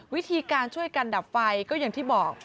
วิธีการช่วยกันดับไฟก็อย่างที่บอก